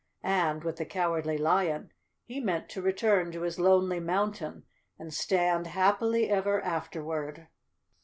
And, with the Cowardly Lion, he meant to return to his lonely mountain and stand happily ever afterward.